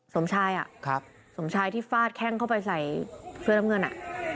สมชายอ่ะครับสมชายที่ฟาดแข้งเข้าไปใส่เสื้อน้ำเงินอ่ะ